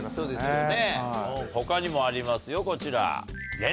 他にもありますよこちら。